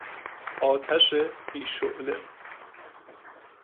آتش بی شعله